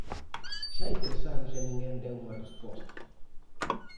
Xa hai tres anos e ninguén deu unha resposta.